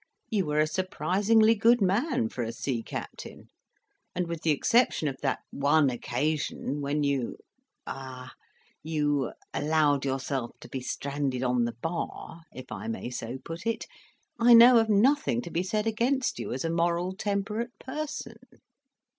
You were a surprisingly good man for a sea captain, and with the exception of that one occasion when you ah you allowed yourself to be stranded on the bar, if I may so put it, I know of nothing to be said against you as a moral, temperate person."